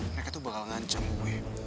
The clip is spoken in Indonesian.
mereka tuh bakal ngancam gue